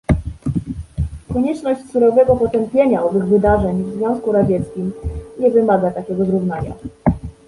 Konieczność surowego potępienia owych wydarzeń w Związku Radzieckim nie wymaga takiego zrównania